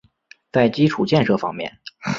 在基础建设方面